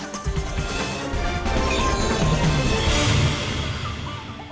terima kasih pak asyik